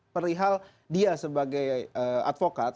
perihal dia sebagai advokat